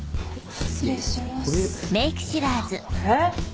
えっ？